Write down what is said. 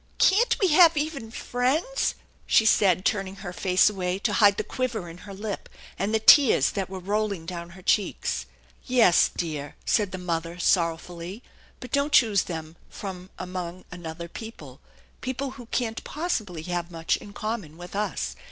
* Can't we have even friends?" she said, turning her face THE ENCHANTED BARN 147 away to hide the quiver in her lip, and the tears that were rolling down her cheeks. "Yes, dear/' said the mother sorrowfully, "but don't choose them from among another people. People who can't possibly have much in common with us.